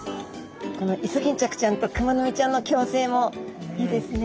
このイソギンチャクちゃんとクマノミちゃんの共生もいいですね